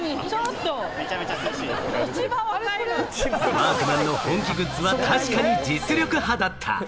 ワークマンの本気グッズは確かに実力派だった。